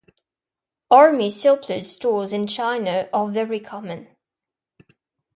Army surplus stores in China are very common.